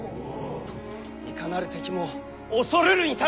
いかなる敵も恐るるに足らず！